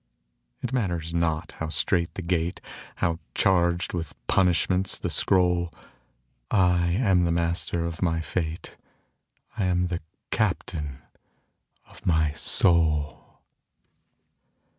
It matters not how strait the gate, How charged with punishments the scroll, I am the master of my fate: I am the captain of my soul.